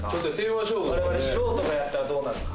我々素人がやったらどうなるか。